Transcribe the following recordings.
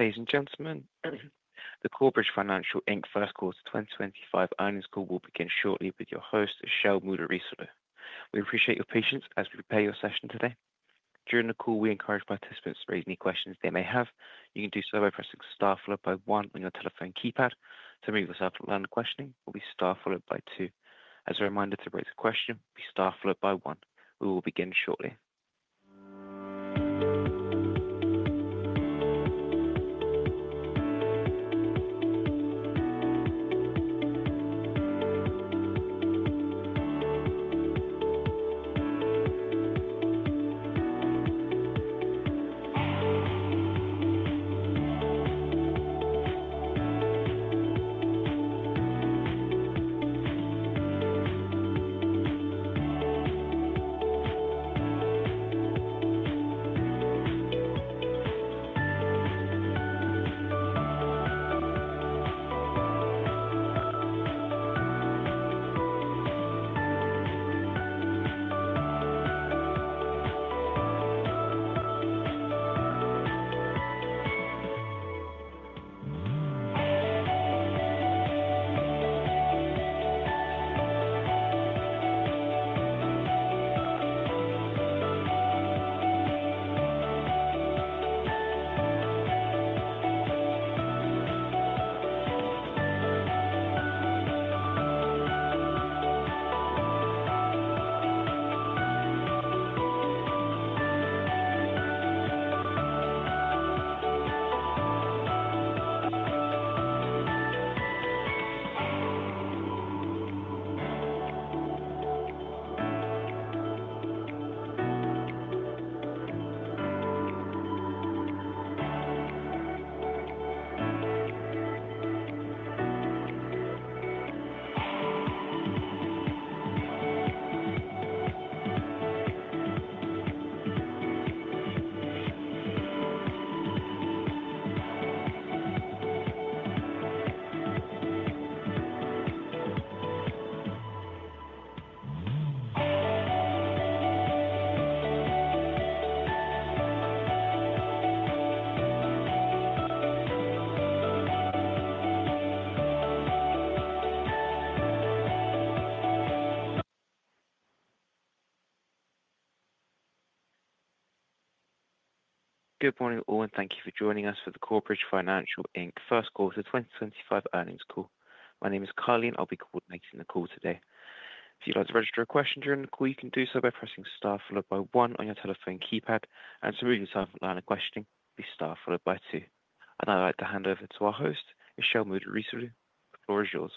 Ladies and gentlemen, the Corebridge Financial First Quarter 2025 earnings call will begin shortly with your host, Isil Muderrisoglu. We appreciate your patience as we prepare your session today. During the call, we encourage participants to raise any questions they may have. You can do so by pressing star followed by one on your telephone keypad. To move this up and down the questioning, we'll be star followed by tTwo. As a reminder to raise a question, be star followed by one. We will begin shortly. Good morning, everyone. Thank you for joining us for the Corebridge Financial First Quarter 2025 earnings call. My name is Carly. I'll be coordinating the call today. If you'd like to register a question during the call, you can do so by pressing star followed by one on your telephone keypad, and to move this up and down the questioning, be star followed by two. I'd like to hand over to our host, Isil Muderrisoglu. The floor is yours.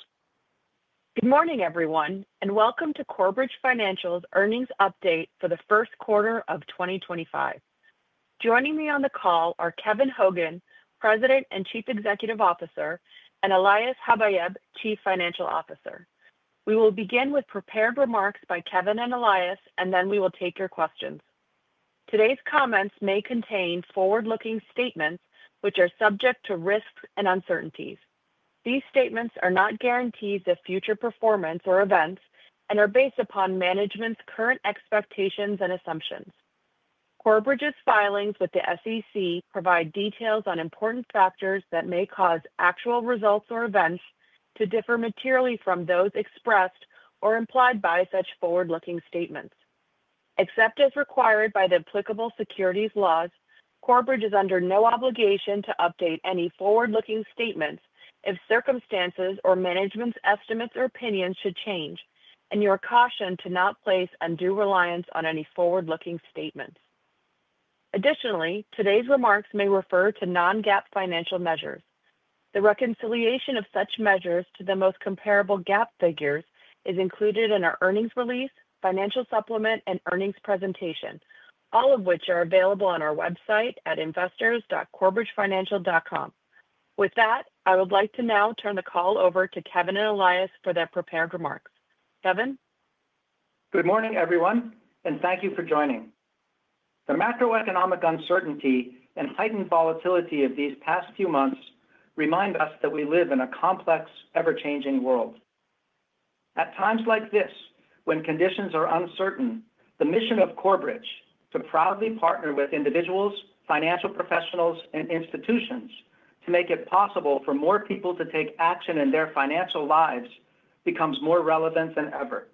Good morning, everyone, and welcome to Corebridge Financial's earnings update for the first quarter of 2025. Joining me on the call are Kevin Hogan, President and Chief Executive Officer, and Elias Habayeb, Chief Financial Officer. We will begin with prepared remarks by Kevin and Elias, and then we will take your questions. Today's comments may contain forward-looking statements, which are subject to risks and uncertainties. These statements are not guarantees of future performance or events and are based upon management's current expectations and assumptions. Corebridge's filings with the SEC provide details on important factors that may cause actual results or events to differ materially from those expressed or implied by such forward-looking statements. Except as required by the applicable securities laws, Corebridge is under no obligation to update any forward-looking statements if circumstances or management's estimates or opinions should change, and you are cautioned to not place undue reliance on any forward-looking statements. Additionally, today's remarks may refer to non-GAAP financial measures. The reconciliation of such measures to the most comparable GAAP figures is included in our earnings release, financial supplement, and earnings presentation, all of which are available on our website at investors.corebridgefinancial.com. With that, I would like to now turn the call over to Kevin and Elias for their prepared remarks. Kevin? Good morning, everyone, and thank you for joining. The macroeconomic uncertainty and heightened volatility of these past few months remind us that we live in a complex, ever-changing world. At times like this, when conditions are uncertain, the mission of Corebridge, to proudly partner with individuals, financial professionals, and institutions to make it possible for more people to take action in their financial lives, becomes more relevant than ever.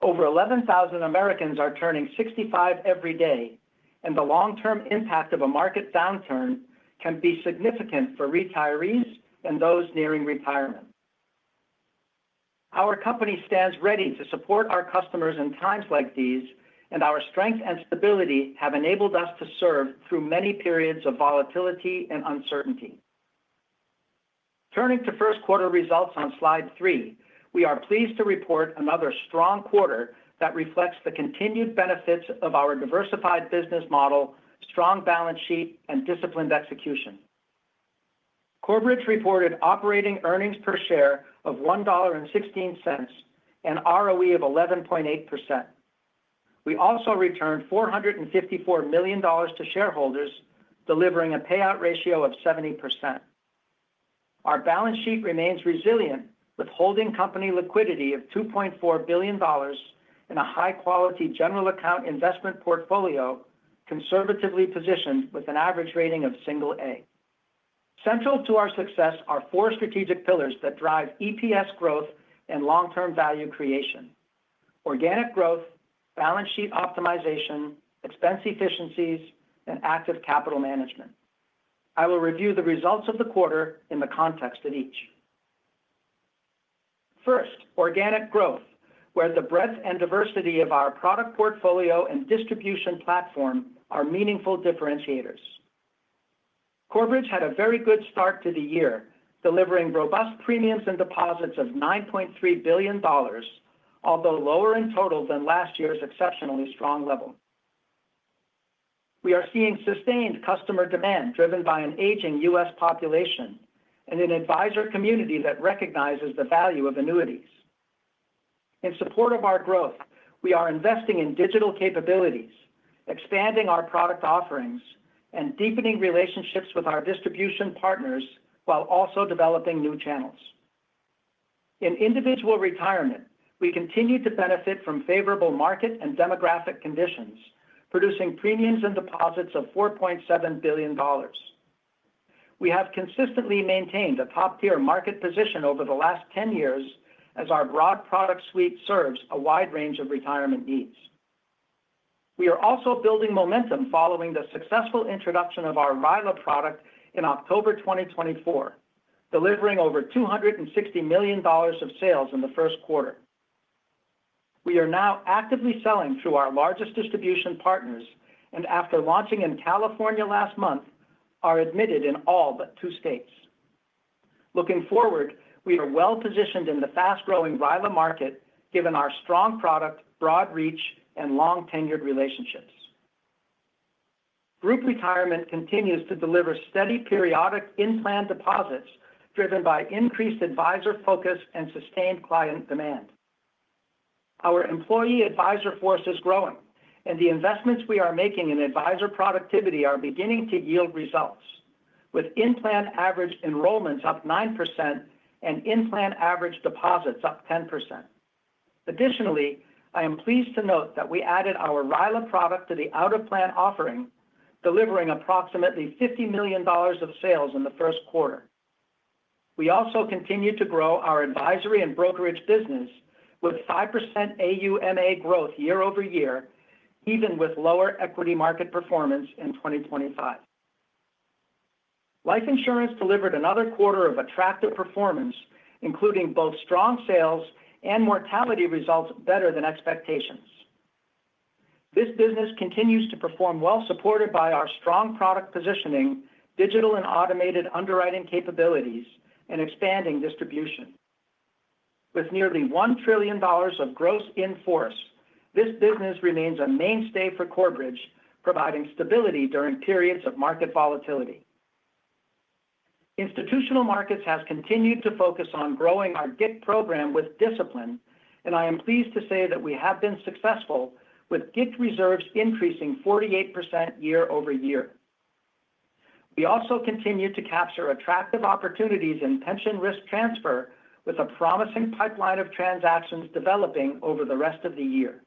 Over 11,000 Americans are turning 65 every day, and the long-term impact of a market downturn can be significant for retirees and those nearing retirement. Our company stands ready to support our customers in times like these, and our strength and stability have enabled us to serve through many periods of volatility and uncertainty. Turning to first quarter results on slide 3, we are pleased to report another strong quarter that reflects the continued benefits of our diversified business model, strong balance sheet, and disciplined execution. Corebridge reported operating earnings per share of $1.16 and ROE of 11.8%. We also returned $454 million to shareholders, delivering a payout ratio of 70%. Our balance sheet remains resilient, with holding company liquidity of $2.4 billion and a high-quality general account investment portfolio conservatively positioned with an average rating of single A. Central to our success are four strategic pillars that drive EPS growth and long-term value creation: organic growth, balance sheet optimization, expense efficiencies, and active capital management. I will review the results of the quarter in the context of each. First, organic growth, where the breadth and diversity of our product portfolio and distribution platform are meaningful differentiators. Corebridge had a very good start to the year, delivering robust premiums and deposits of $9.3 billion, although lower in total than last year's exceptionally strong level. We are seeing sustained customer demand driven by an aging U.S. population and an advisor community that recognizes the value of annuities. In support of our growth, we are investing in digital capabilities, expanding our product offerings, and deepening relationships with our distribution partners while also developing new channels. In Individual Retirement, we continue to benefit from favorable market and demographic conditions, producing premiums and deposits of $4.7 billion. We have consistently maintained a top-tier market position over the last 10 years as our broad product suite serves a wide range of retirement needs. We are also building momentum following the successful introduction of our RILA product in October 2024, delivering over $260 million of sales in the first quarter. We are now actively selling through our largest distribution partners and, after launching in California last month, are admitted in all but two states. Looking forward, we are well positioned in the fast-growing RILA market, given our strong product, broad reach, and long-tenured relationships. Group retirement continues to deliver steady periodic in-plan deposits driven by increased advisor focus and sustained client demand. Our employee advisor force is growing, and the investments we are making in advisor productivity are beginning to yield results, with in-plan average enrollments up 9% and in-plan average deposits up 10%. Additionally, I am pleased to note that we added our RILA product to the out-of-plan offering, delivering approximately $50 million of sales in the first quarter. We also continue to grow our advisory and brokerage business with 5% AUMA growth year-over-year, even with lower equity market performance in 2025. Life insurance delivered another quarter of attractive performance, including both strong sales and mortality results better than expectations. This business continues to perform well supported by our strong product positioning, digital and automated underwriting capabilities, and expanding distribution. With nearly $1 trillion of gross in force, this business remains a mainstay for Corebridge, providing stability during periods of market volatility. Institutional markets have continued to focus on growing our GIC program with discipline, and I am pleased to say that we have been successful, with GIC reserves increasing 48% year-over-year. We also continue to capture attractive opportunities in pension risk transfer, with a promising pipeline of transactions developing over the rest of the year.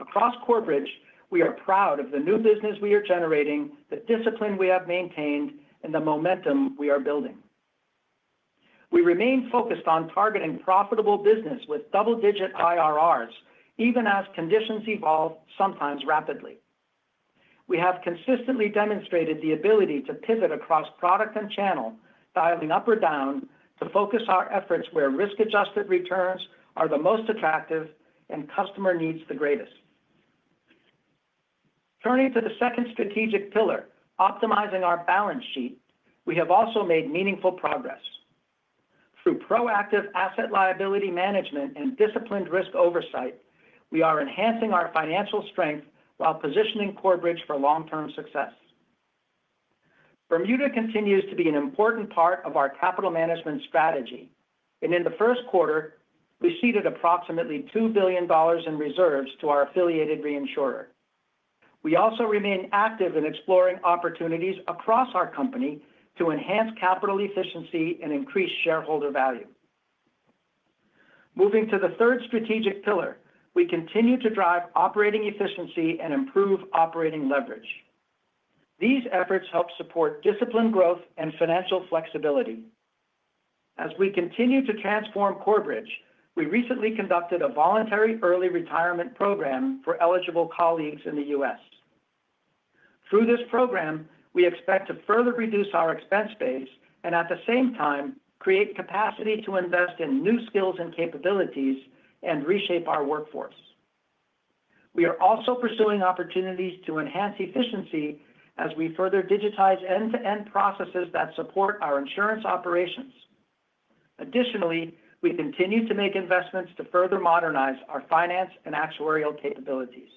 Across Corebridge, we are proud of the new business we are generating, the discipline we have maintained, and the momentum we are building. We remain focused on targeting profitable business with double-digit IRRs, even as conditions evolve sometimes rapidly. We have consistently demonstrated the ability to pivot across product and channel, dialing up or down, to focus our efforts where risk-adjusted returns are the most attractive and customer needs the greatest. Turning to the second strategic pillar, optimizing our balance sheet, we have also made meaningful progress. Through proactive asset liability management and disciplined risk oversight, we are enhancing our financial strength while positioning Corebridge for long-term success. Bermuda continues to be an important part of our capital management strategy, and in the first quarter, we seeded approximately $2 billion in reserves to our affiliated reinsurer. We also remain active in exploring opportunities across our company to enhance capital efficiency and increase shareholder value. Moving to the third strategic pillar, we continue to drive operating efficiency and improve operating leverage. These efforts help support disciplined growth and financial flexibility. As we continue to transform Corebridge, we recently conducted a voluntary early retirement program for eligible colleagues in the U.S. Through this program, we expect to further reduce our expense base and, at the same time, create capacity to invest in new skills and capabilities and reshape our workforce. We are also pursuing opportunities to enhance efficiency as we further digitize end-to-end processes that support our insurance operations. Additionally, we continue to make investments to further modernize our finance and actuarial capabilities.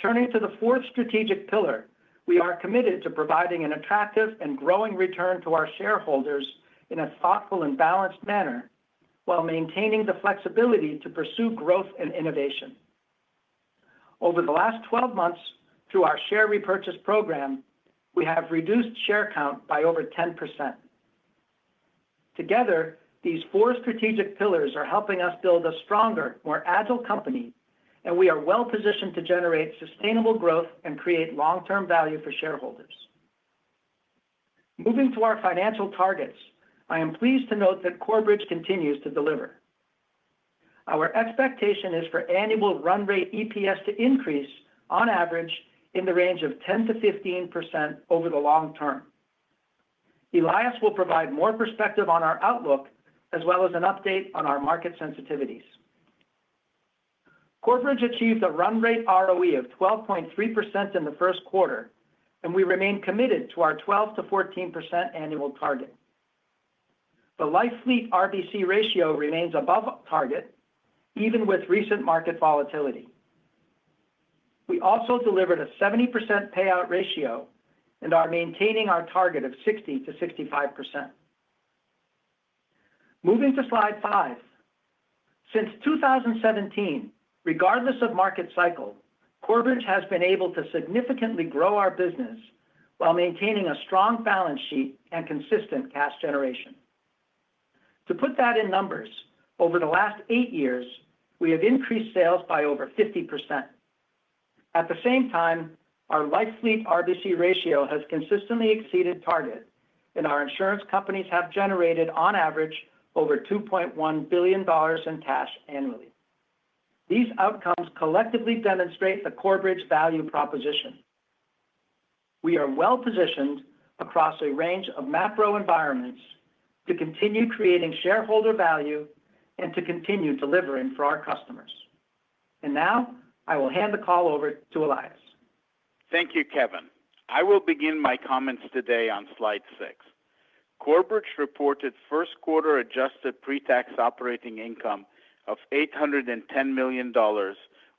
Turning to the fourth strategic pillar, we are committed to providing an attractive and growing return to our shareholders in a thoughtful and balanced manner while maintaining the flexibility to pursue growth and innovation. Over the last 12 months, through our share repurchase program, we have reduced share count by over 10%. Together, these four strategic pillars are helping us build a stronger, more agile company, and we are well positioned to generate sustainable growth and create long-term value for shareholders. Moving to our financial targets, I am pleased to note that Corebridge continues to deliver. Our expectation is for annual run rate EPS to increase, on average, in the range of 10%-15% over the long term. Elias will provide more perspective on our outlook, as well as an update on our market sensitivities. Corebridge achieved a run rate ROE of 12.3% in the first quarter, and we remain committed to our 12%-14% annual target. The life fleet RBC ratio remains above target, even with recent market volatility. We also delivered a 70% payout ratio and are maintaining our target of 60%-65%. Moving to slide 5. Since 2017, regardless of market cycle, Corebridge has been able to significantly grow our business while maintaining a strong balance sheet and consistent cash generation. To put that in numbers, over the last eight years, we have increased sales by over 50%. At the same time, our life fleet RBC ratio has consistently exceeded target, and our insurance companies have generated, on average, over $2.1 billion in cash annually. These outcomes collectively demonstrate the Corebridge value proposition. We are well positioned across a range of macro environments to continue creating shareholder value and to continue delivering for our customers. I will hand the call over to Elias. Thank you, Kevin. I will begin my comments today on slide 6. Corebridge reported first quarter adjusted pre-tax operating income of $810 million,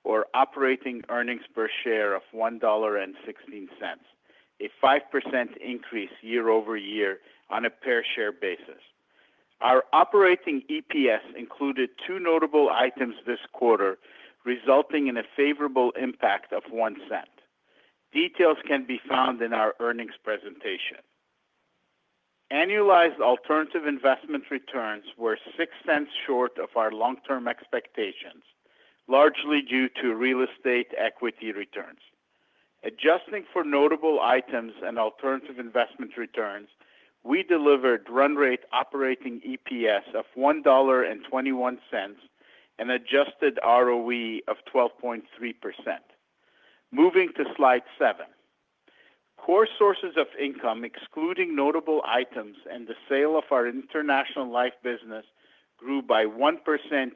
or operating earnings per share of $1.16, a 5% increase year-over-year on a per share basis. Our operating EPS included two notable items this quarter, resulting in a favorable impact of $0.01. Details can be found in our earnings presentation. Annualized alternative investment returns were $0.06 short of our long-term expectations, largely due to real estate equity returns. Adjusting for notable items and alternative investment returns, we delivered run rate operating EPS of $1.21 and adjusted ROE of 12.3%. Moving to slide 7. Core sources of income, excluding notable items and the sale of our international life business, grew by 1%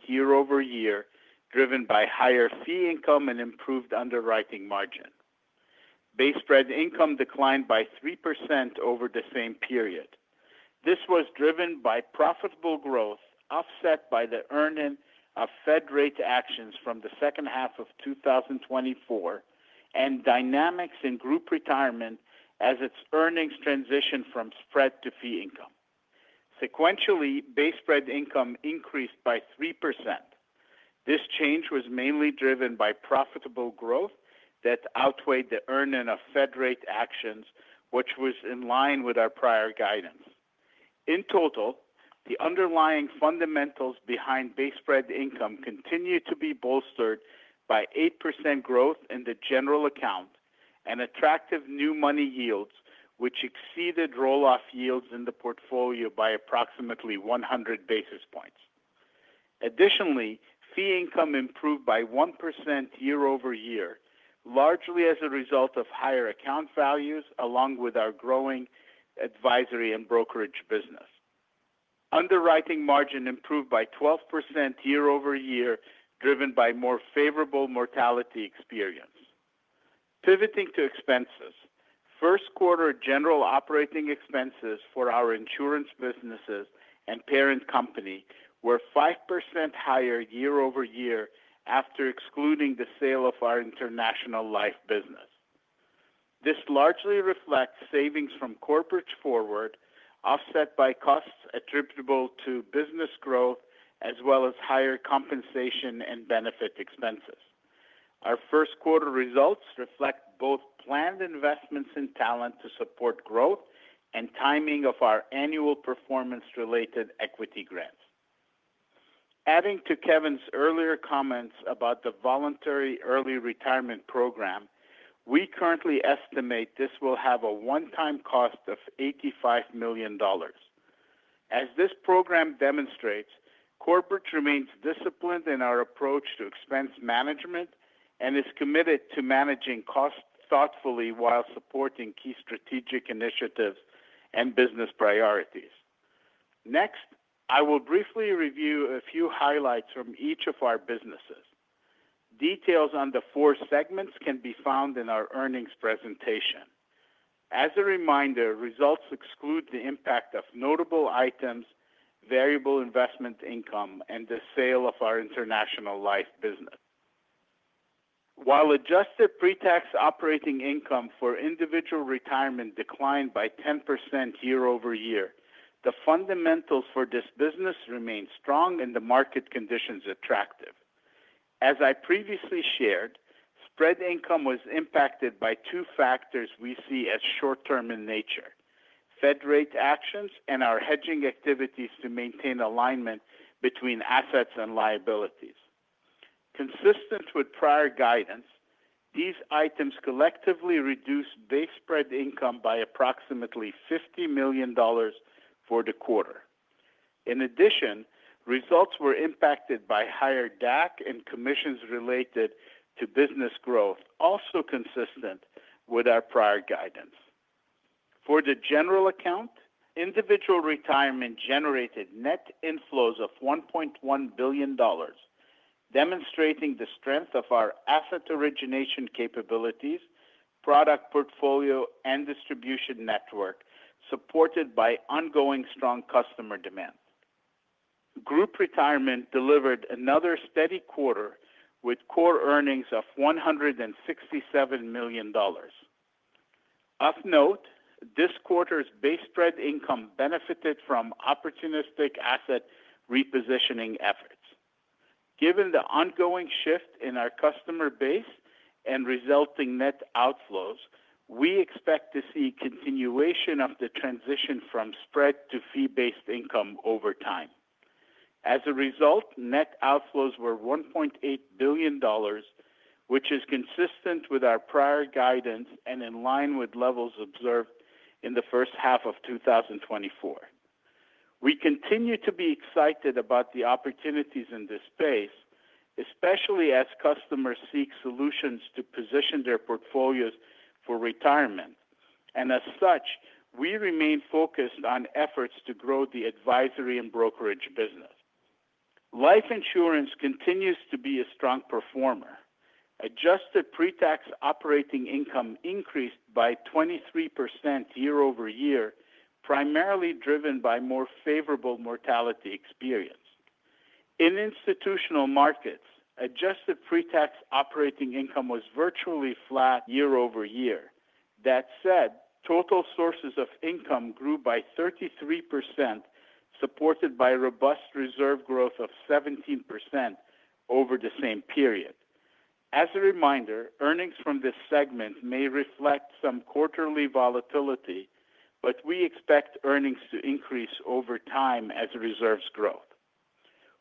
year-over-year, driven by higher fee income and improved underwriting margin. Base spread income declined by 3% over the same period. This was driven by profitable growth offset by the earning of Fed rate actions from the second half of 2024 and dynamics in Group Retirement as its earnings transitioned from spread to fee income. Sequentially, base spread income increased by 3%. This change was mainly driven by profitable growth that outweighed the earning of Fed rate actions, which was in line with our prior guidance. In total, the underlying fundamentals behind base spread income continued to be bolstered by 8% growth in the general account and attractive new money yields, which exceeded roll-off yields in the portfolio by approximately 100 basis points. Additionally, fee income improved by 1% year-over-year, largely as a result of higher account values along with our growing advisory and brokerage business. Underwriting margin improved by 12% year-over-year, driven by more favorable mortality experience. Pivoting to expenses, first quarter general operating expenses for our insurance businesses and parent company were 5% higher year-over-year after excluding the sale of our international life business. This largely reflects savings from corporate forward offset by costs attributable to business growth, as well as higher compensation and benefit expenses. Our first quarter results reflect both planned investments in talent to support growth and timing of our annual performance-related equity grants. Adding to Kevin's earlier comments about the voluntary early retirement program, we currently estimate this will have a one-time cost of $85 million. As this program demonstrates, Corebridge remains disciplined in our approach to expense management and is committed to managing costs thoughtfully while supporting key strategic initiatives and business priorities. Next, I will briefly review a few highlights from each of our businesses. Details on the four segments can be found in our earnings presentation. As a reminder, results exclude the impact of notable items, variable investment income, and the sale of our international life business. While adjusted pre-tax operating income for individual retirement declined by 10% year-over-year, the fundamentals for this business remain strong and the market conditions attractive. As I previously shared, spread income was impacted by two factors we see as short-term in nature: Fed rate actions and our hedging activities to maintain alignment between assets and liabilities. Consistent with prior guidance, these items collectively reduced base spread income by approximately $50 million for the quarter. In addition, results were impacted by higher DAC and commissions related to business growth, also consistent with our prior guidance. For the general account, individual retirement generated net inflows of $1.1 billion, demonstrating the strength of our asset origination capabilities, product portfolio, and distribution network, supported by ongoing strong customer demand. Group Retirement delivered another steady quarter with core earnings of $167 million. Of note, this quarter's base spread income benefited from opportunistic asset repositioning efforts. Given the ongoing shift in our customer base and resulting net outflows, we expect to see continuation of the transition from spread to fee-based income over time. As a result, net outflows were $1.8 billion, which is consistent with our prior guidance and in line with levels observed in the first half of 2024. We continue to be excited about the opportunities in this space, especially as customers seek solutions to position their portfolios for retirement. As such, we remain focused on efforts to grow the advisory and brokerage business. Life Insurance continues to be a strong performer. Adjusted pre-tax operating income increased by 23% year-over-year, primarily driven by more favorable mortality experience. In institutional markets, adjusted pre-tax operating income was virtually flat year-over-year. That said, total sources of income grew by 33%, supported by robust reserve growth of 17% over the same period. As a reminder, earnings from this segment may reflect some quarterly volatility, but we expect earnings to increase over time as reserves grow.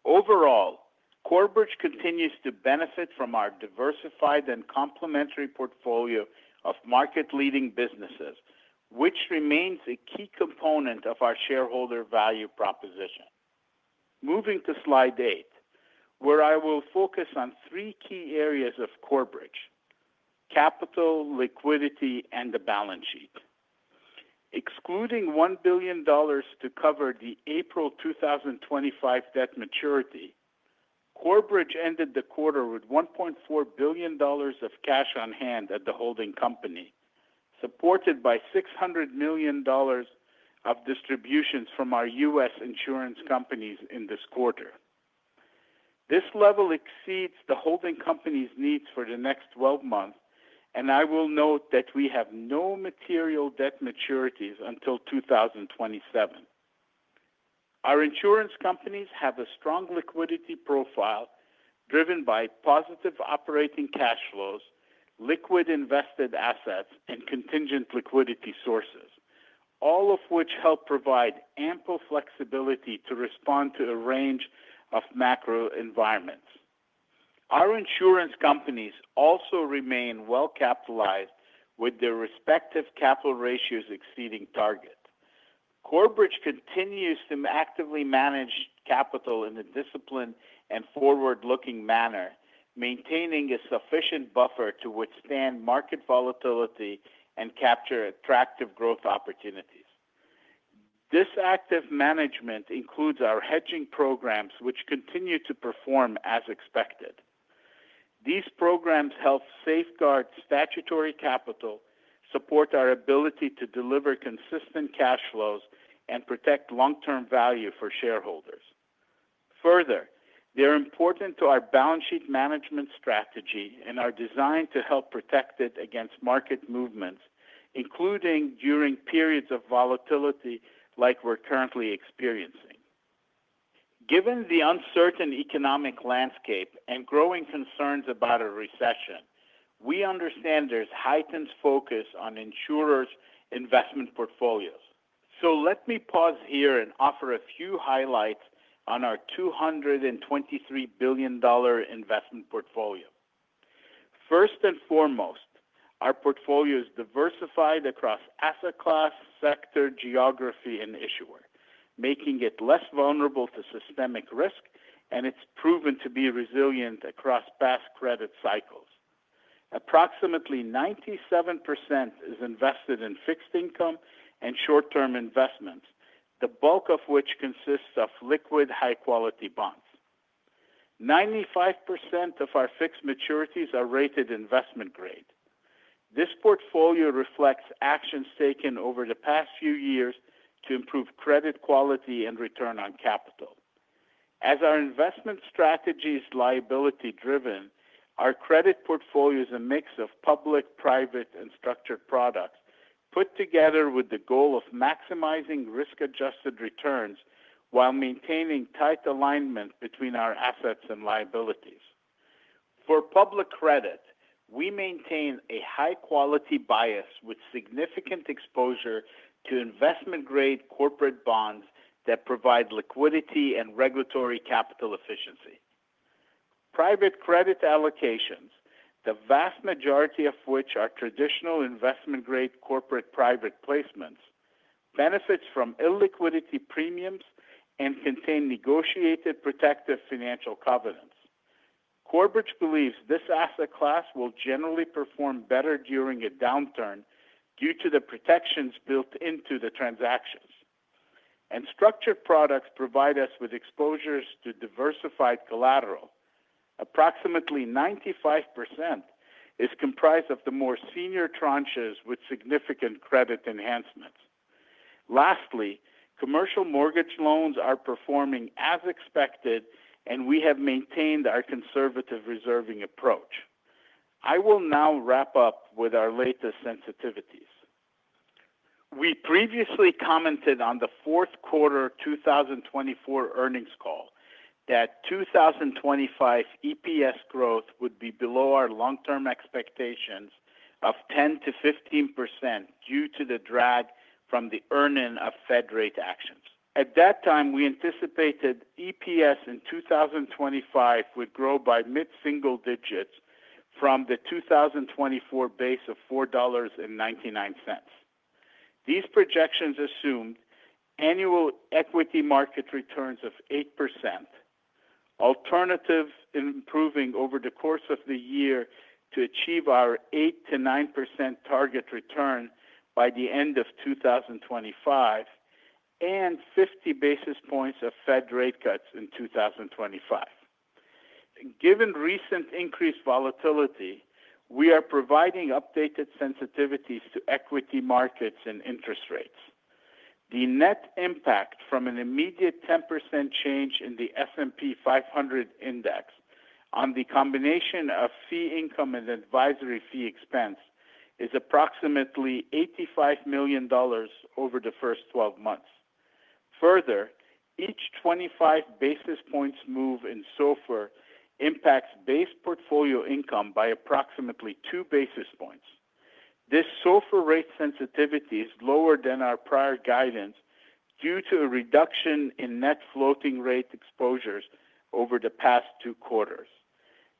Overall, Corebridge continues to benefit from our diversified and complementary portfolio of market-leading businesses, which remains a key component of our shareholder value proposition. Moving to slide eight, where I will focus on three key areas of Corebridge: capital, liquidity, and the balance sheet. Excluding $1 billion to cover the April 2025 debt maturity, Corebridge ended the quarter with $1.4 billion of cash on hand at the holding company, supported by $600 million of distributions from our U.S. insurance companies in this quarter. This level exceeds the holding company's needs for the next 12 months, and I will note that we have no material debt maturities until 2027. Our insurance companies have a strong liquidity profile driven by positive operating cash flows, liquid invested assets, and contingent liquidity sources, all of which help provide ample flexibility to respond to a range of macro environments. Our insurance companies also remain well capitalized with their respective capital ratios exceeding target. Corebridge continues to actively manage capital in a disciplined and forward-looking manner, maintaining a sufficient buffer to withstand market volatility and capture attractive growth opportunities. This active management includes our hedging programs, which continue to perform as expected. These programs help safeguard statutory capital, support our ability to deliver consistent cash flows, and protect long-term value for shareholders. Further, they're important to our balance sheet management strategy and are designed to help protect it against market movements, including during periods of volatility like we're currently experiencing. Given the uncertain economic landscape and growing concerns about a recession, we understand there's heightened focus on insurers' investment portfolios. Let me pause here and offer a few highlights on our $223 billion investment portfolio. First and foremost, our portfolio is diversified across asset class, sector, geography, and issuer, making it less vulnerable to systemic risk, and it's proven to be resilient across past credit cycles. Approximately 97% is invested in fixed income and short-term investments, the bulk of which consists of liquid, high-quality bonds. 95% of our fixed maturities are rated investment grade. This portfolio reflects actions taken over the past few years to improve credit quality and return on capital. As our investment strategy is liability-driven, our credit portfolio is a mix of public, private, and structured products put together with the goal of maximizing risk-adjusted returns while maintaining tight alignment between our assets and liabilities. For public credit, we maintain a high-quality bias with significant exposure to investment-grade corporate bonds that provide liquidity and regulatory capital efficiency. Private credit allocations, the vast majority of which are traditional investment-grade corporate private placements, benefit from illiquidity premiums and contain negotiated protective financial covenants. Corebridge believes this asset class will generally perform better during a downturn due to the protections built into the transactions. Structured products provide us with exposures to diversified collateral. Approximately 95% is comprised of the more senior tranches with significant credit enhancements. Lastly, commercial mortgage loans are performing as expected, and we have maintained our conservative reserving approach. I will now wrap up with our latest sensitivities. We previously commented on the fourth quarter 2024 earnings call that 2025 EPS growth would be below our long-term expectations of 10%-15% due to the drag from the earning of Fed rate actions. At that time, we anticipated EPS in 2025 would grow by mid-single digits from the 2024 base of $4.99. These projections assumed annual equity market returns of 8%, alternatives improving over the course of the year to achieve our 8%-9% target return by the end of 2025, and 50 basis points of Fed rate cuts in 2025. Given recent increased volatility, we are providing updated sensitivities to equity markets and interest rates. The net impact from an immediate 10% change in the S&P 500 index on the combination of fee income and advisory fee expense is approximately $85 million over the first 12 months. Further, each 25 basis points move in SOFR impacts base portfolio income by approximately 2 basis points. This SOFR rate sensitivity is lower than our prior guidance due to a reduction in net floating rate exposures over the past two quarters.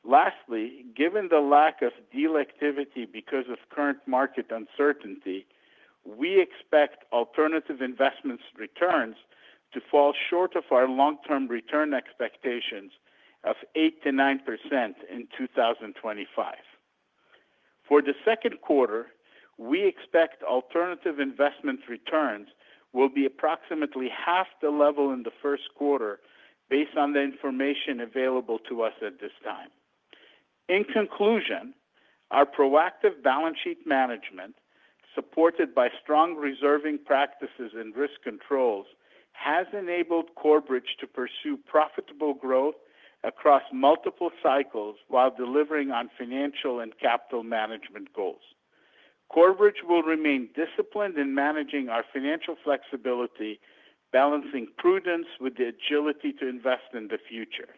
Lastly, given the lack of deal activity because of current market uncertainty, we expect alternative investments' returns to fall short of our long-term return expectations of 8%-9% in 2025. For the second quarter, we expect alternative investment returns will be approximately half the level in the first quarter based on the information available to us at this time. In conclusion, our proactive balance sheet management, supported by strong reserving practices and risk controls, has enabled Corebridge to pursue profitable growth across multiple cycles while delivering on financial and capital management goals. Corebridge will remain disciplined in managing our financial flexibility, balancing prudence with the agility to invest in the future.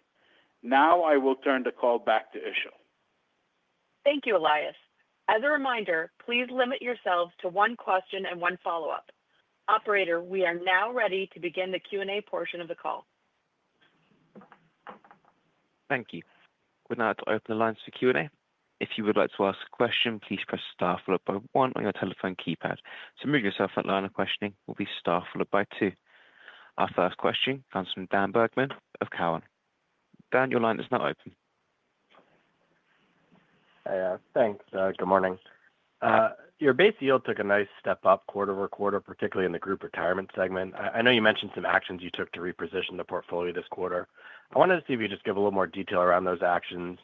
Now I will turn the call back to Işıl. Thank you, Elias. As a reminder, please limit yourselves to one question and one follow-up. Operator, we are now ready to begin the Q&A portion of the call. Thank you. We are now at the open line for Q&A. If you would like to ask a question, please press star followed by one on your telephone keypad. To move yourself out of the line of questioning, it will be star followed by two. Our first question comes from Dan Bergman of Cowen. Dan, your line is now open. Hey, thanks. Good morning. Your base yield took a nice step up quarter over quarter, particularly in the Group Retirement segment. I know you mentioned some actions you took to reposition the portfolio this quarter. I wanted to see if you could just give a little more detail around those actions.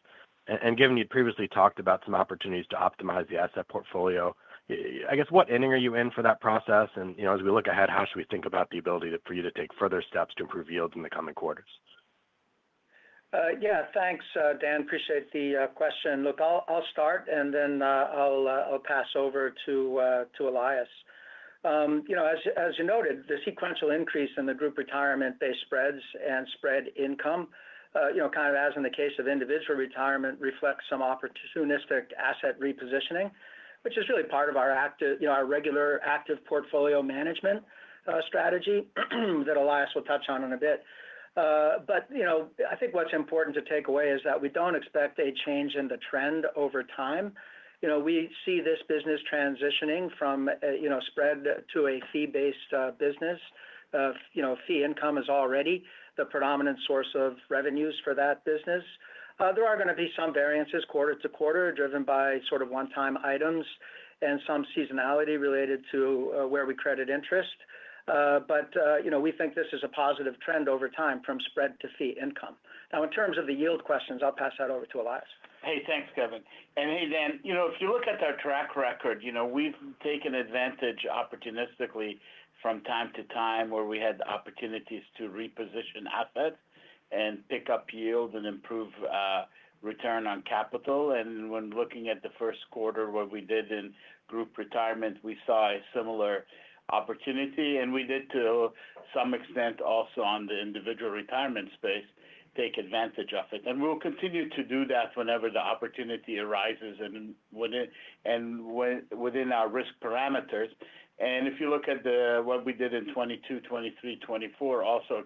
Given you previously talked about some opportunities to optimize the asset portfolio, I guess what ending are you in for that process? As we look ahead, how should we think about the ability for you to take further steps to improve yields in the coming quarters? Yeah, thanks, Dan. Appreciate the question. Look, I'll start, then I'll pass over to Elias. As you noted, the sequential increase in the group retirement-based spreads and spread income, kind of as in the case of individual retirement, reflects some opportunistic asset repositioning, which is really part of our regular active portfolio management strategy that Elias will touch on in a bit. I think what's important to take away is that we don't expect a change in the trend over time. We see this business transitioning from spread to a fee-based business. Fee income is already the predominant source of revenues for that business. There are going to be some variances quarter to quarter driven by sort of one-time items and some seasonality related to where we credit interest. We think this is a positive trend over time from spread to fee income. Now, in terms of the yield questions, I'll pass that over to Elias. Hey, thanks, Kevin. And hey, Dan, if you look at our track record, we've taken advantage opportunistically from time to time where we had opportunities to reposition assets and pick up yield and improve return on capital. When looking at the first quarter what we did in group retirement, we saw a similar opportunity. We did, to some extent, also on the individual retirement space, take advantage of it. We'll continue to do that whenever the opportunity arises and within our risk parameters. If you look at what we did in 2022, 2023, 2024, also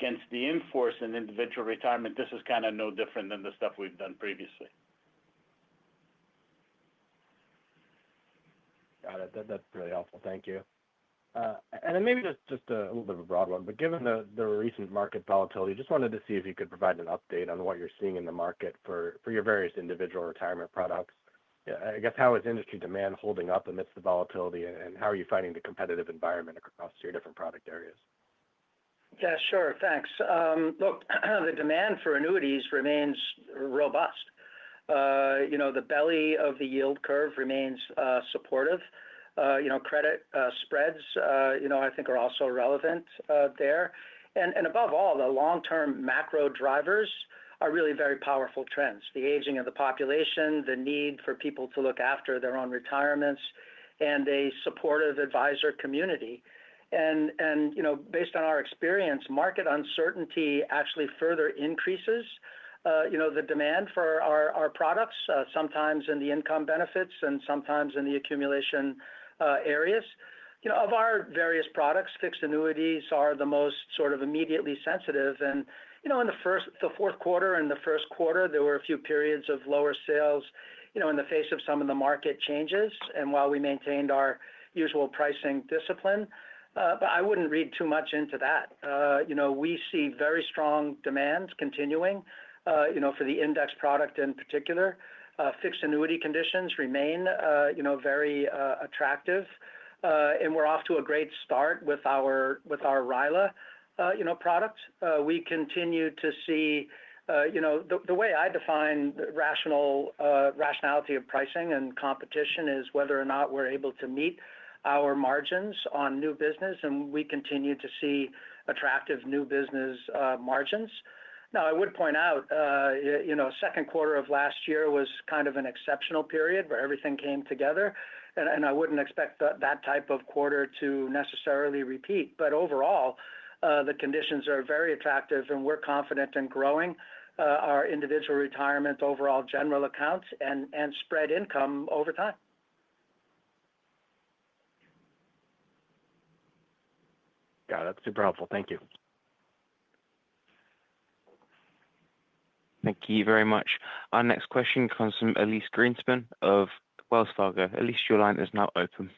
against the in-force in individual retirement, this is kind of no different than the stuff we've done previously. Got it. That's really helpful. Thank you. Maybe just a little bit of a broad one, but given the recent market volatility, I just wanted to see if you could provide an update on what you're seeing in the market for your various individual retirement products. I guess, how is industry demand holding up amidst the volatility, and how are you finding the competitive environment across your different product areas? Yeah, sure. Thanks. Look, the demand for annuities remains robust. The belly of the yield curve remains supportive. Credit spreads, I think, are also relevant there. Above all, the long-term macro drivers are really very powerful trends: the aging of the population, the need for people to look after their own retirements, and a supportive advisor community. Based on our experience, market uncertainty actually further increases the demand for our products, sometimes in the income benefits and sometimes in the accumulation areas. Of our various products, fixed annuities are the most sort of immediately sensitive. In the fourth quarter and the first quarter, there were a few periods of lower sales in the face of some of the market changes and while we maintained our usual pricing discipline. I would not read too much into that. We see very strong demands continuing for the index product in particular. Fixed annuity conditions remain very attractive. We are off to a great start with our RILA product. We continue to see the way I define the rationality of pricing and competition is whether or not we're able to meet our margins on new business. We continue to see attractive new business margins. Now, I would point out the second quarter of last year was kind of an exceptional period where everything came together. I wouldn't expect that type of quarter to necessarily repeat. Overall, the conditions are very attractive, and we're confident in growing our individual retirement, overall general accounts, and spread income over time. Got it. That's super helpful. Thank you. Thank you very much. Our next question comes from Elyse Greenspan of Wells Fargo. Elyse, your line is now open.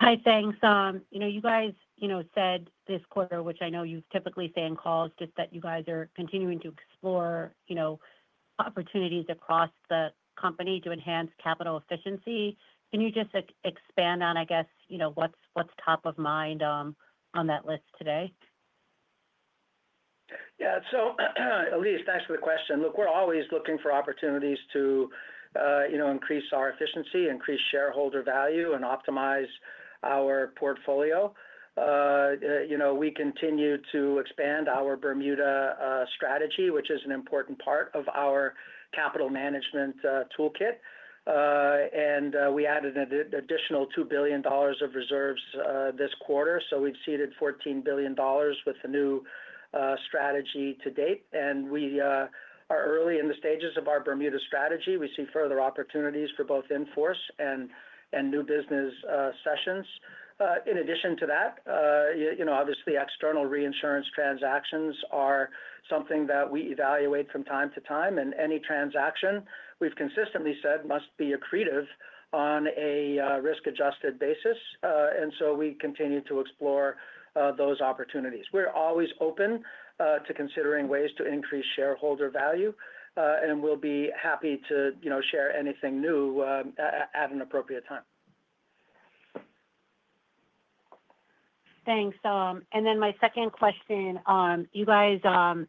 Hi, thanks. You guys said this quarter, which I know you typically say in calls, just that you guys are continuing to explore opportunities across the company to enhance capital efficiency. Can you just expand on, I guess, what's top of mind on that list today? Yeah. So, Elise, thanks for the question. Look, we're always looking for opportunities to increase our efficiency, increase shareholder value, and optimize our portfolio. We continue to expand our Bermuda strategy, which is an important part of our capital management toolkit. We added an additional $2 billion of reserves this quarter. We have seeded $14 billion with the new strategy to date. We are early in the stages of our Bermuda strategy. We see further opportunities for both enforce and new business sessions. In addition to that, obviously, external reinsurance transactions are something that we evaluate from time to time. Any transaction we have consistently said must be accretive on a risk-adjusted basis. We continue to explore those opportunities. We're always open to considering ways to increase shareholder value. We will be happy to share anything new at an appropriate time. Thanks. My second question, you guys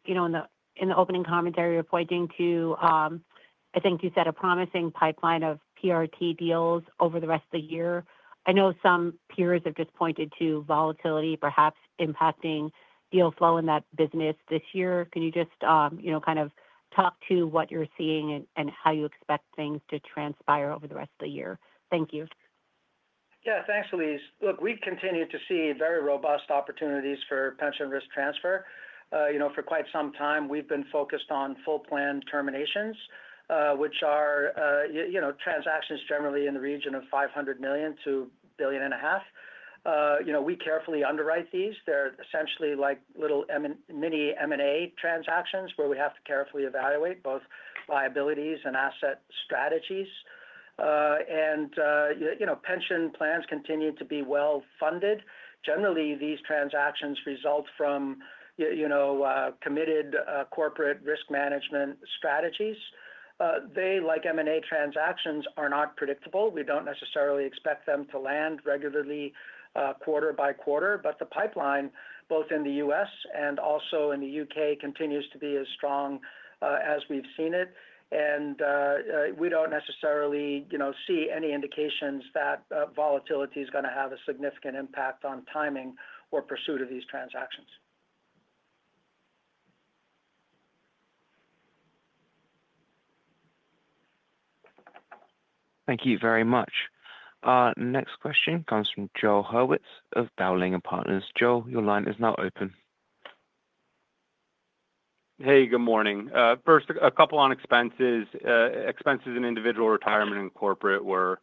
in the opening commentary are pointing to, I think you said, a promising pipeline of PRT deals over the rest of the year. I know some peers have just pointed to volatility perhaps impacting deal flow in that business this year. Can you just kind of talk to what you are seeing and how you expect things to transpire over the rest of the year? Thank you. Yeah, thanks, Elyse. Look, we continue to see very robust opportunities for pension risk transfer. For quite some time, we have been focused on full plan terminations, which are transactions generally in the region of $500 million to $1.5 billion. We carefully underwrite these. They are essentially like mini M&A transactions where we have to carefully evaluate both liabilities and asset strategies. Pension plans continue to be well-funded. Generally, these transactions result from committed corporate risk management strategies. They, like M&A transactions, are not predictable. We do not necessarily expect them to land regularly quarter by quarter. The pipeline, both in the U.S. and also in the U.K., continues to be as strong as we have seen it. We do not necessarily see any indications that volatility is going to have a significant impact on timing or pursuit of these transactions. Thank you very much. Next question comes from Joel Hurwitz of Dowling & Partners. Joel, your line is now open. Hey, good morning. First, a couple on expenses. Expenses in individual retirement and corporate were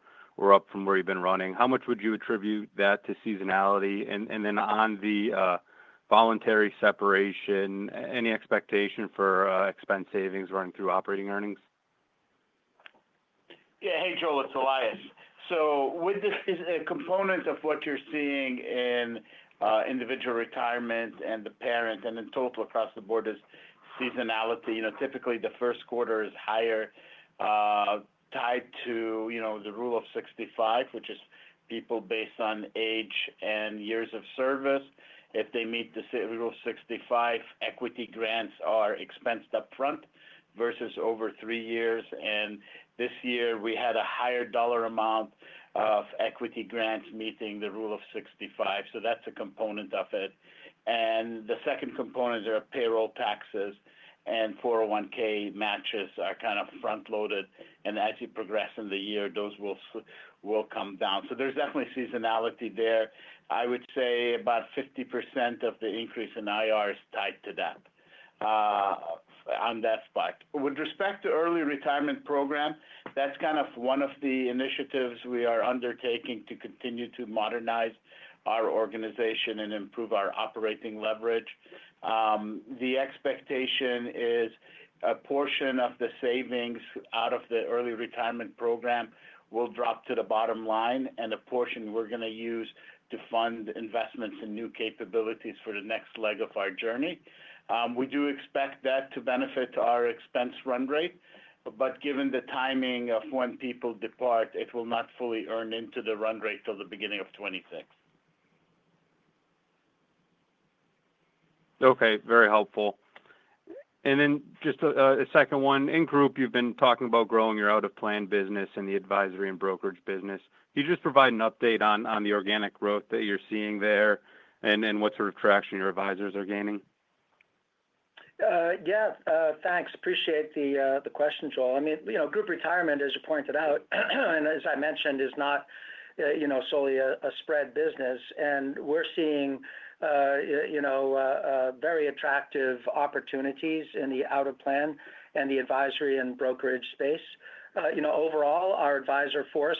up from where you have been running. How much would you attribute that to seasonality? On the voluntary separation, any expectation for expense savings running through operating earnings? \Yeah. Hey, Joel, it is Elias. With this component of what you're seeing in Individual Retirement and the parent and in total across the board is seasonality. Typically, the first quarter is higher tied to the rule of 65, which is people based on age and years of service. If they meet the rule of 65, equity grants are expensed upfront versus over 3 years. This year, we had a higher dollar amount of equity grants meeting the rule of 65. That is a component of it. The second component is our payroll taxes. 401(k) matches are kind of front-loaded, and as you progress in the year, those will come down. There is definitely seasonality there. I would say about 50% of the increase in IR is tied to that on that spot. With respect to early retirement program, that's kind of one of the initiatives we are undertaking to continue to modernize our organization and improve our operating leverage. The expectation is a portion of the savings out of the early retirement program will drop to the bottom line, and a portion we're going to use to fund investments and new capabilities for the next leg of our journey. We do expect that to benefit our expense run rate. Given the timing of when people depart, it will not fully earn into the run rate till the beginning of 2026. Okay. Very helpful. And then just a second one. In group, you've been talking about growing your out-of-plan business and the advisory and brokerage business. Can you just provide an update on the organic growth that you're seeing there and what sort of traction your advisors are gaining? Yeah. Thanks. Appreciate the question, Joel. I mean, group retirement, as you pointed out, and as I mentioned, is not solely a spread business. We are seeing very attractive opportunities in the out-of-plan and the advisory and brokerage space. Overall, our advisor force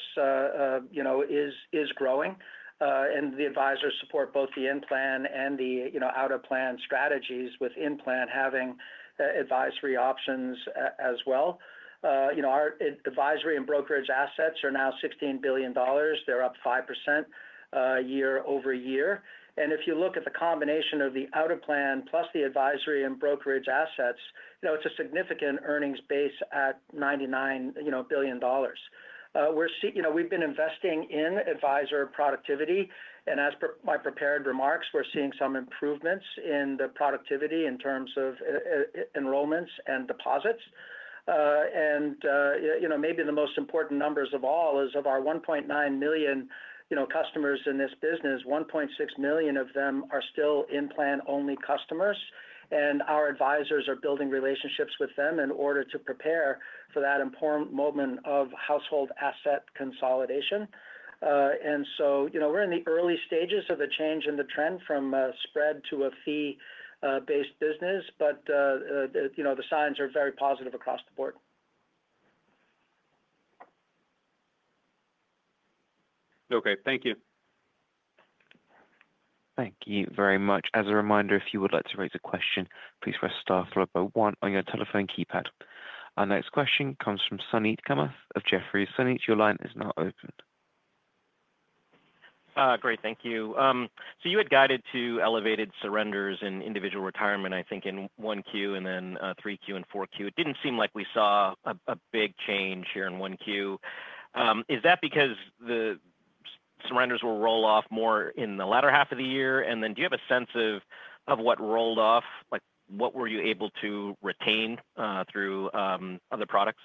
is growing. The advisors support both the in-plan and the out-of-plan strategies with in-plan having advisory options as well. Our advisory and brokerage assets are now $16 billion. They are up 5% year-over-year. If you look at the combination of the out-of-plan plus the advisory and brokerage assets, it is a significant earnings base at $99 billion. We have been investing in advisor productivity. As my prepared remarks, we are seeing some improvements in the productivity in terms of enrollments and deposits. Maybe the most important numbers of all is of our 1.9 million customers in this business, 1.6 million of them are still in-plan only customers. Our advisors are building relationships with them in order to prepare for that important moment of household asset consolidation. We are in the early stages of a change in the trend from a spread to a fee-based business. The signs are very positive across the board. Thank you. Thank you very much. As a reminder, if you would like to raise a question, please press star followed by one on your telephone keypad. Our next question comes from Suneet Kamath of Jefferies. Suneet, your line is now open. Great. Thank you. You had guided to elevated surrenders in individual retirement, I think, in 1Q and then 3Q and 4Q. It did not seem like we saw a big change here in 1Q. Is that because the surrenders will roll off more in the latter half of the year? Do you have a sense of what rolled off? What were you able to retain through other products?